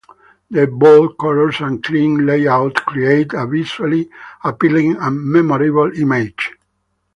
The bold colors and clean layout create a visually appealing and memorable image.